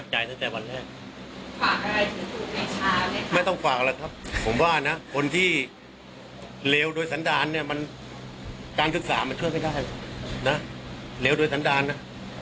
หนาหละเรียกการโดยสันดารนะ